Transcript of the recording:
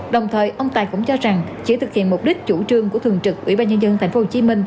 đồng thời ông tài cũng cho rằng chỉ thực hiện mục đích chủ trương của thường trực ủy ban nhân dân tp hcm